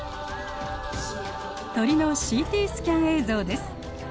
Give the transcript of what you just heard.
鳥のＣＴスキャン映像です。